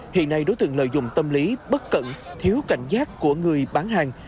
hiện nay đối tượng lợi dụng tâm lý bất cẩn thiếu cảnh giác của người bán hàng